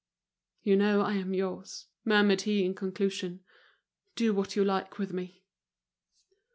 "You know I am yours," murmured he in conclusion. "Do what you like with me."